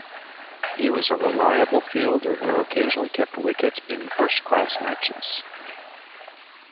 He was a reliable fielder who occasionally kept wicket in first-class matches.